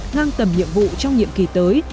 ngang tầm nhiệm vụ trong nhiệm kỳ tới